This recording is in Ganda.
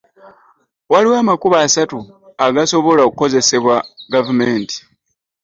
Waliwo amakubo asatu agasobola okukozesebwa gavumenti